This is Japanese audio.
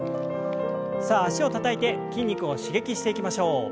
さあ脚をたたいて筋肉を刺激していきましょう。